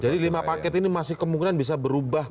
jadi lima paket ini masih kemungkinan bisa berubah